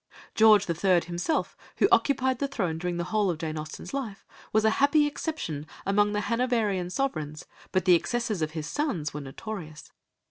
George the Third himself, who occupied the throne during the whole of Jane Austen's life, was a happy exception among the Hanoverian sovereigns, but the excesses of his sons were notorious.